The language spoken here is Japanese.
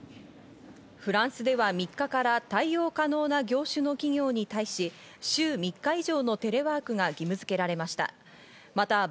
フランスでは３日から対応可能な業種の企業に対し、週３日以上のテレワークが義務づけられました。